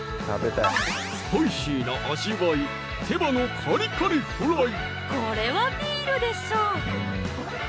スパイシーな味わいこれはビールでしょ！